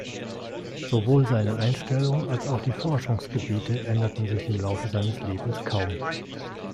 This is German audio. Sowohl seine Einstellung, als auch die Forschungsgebiete änderten sich im Laufe seines Lebens kaum.